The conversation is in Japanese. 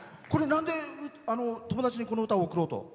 なんで友達にこの歌を贈ろうと？